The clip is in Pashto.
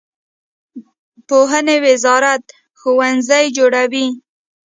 پوهنې وزارت ښوونځي جوړوي